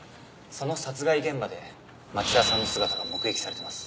その殺害現場で町田さんの姿が目撃されてます。